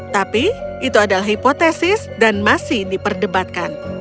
tapi itu adalah hipotesis dan masih diperdebatkan